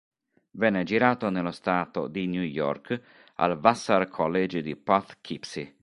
Venne girato nello stato di New York, al Vassar College di Poughkeepsie.